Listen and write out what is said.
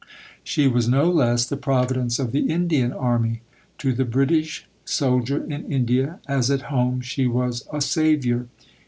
She was no less the Providence of the Indian Army. To the British soldier in India, as at home, she was "a saviour."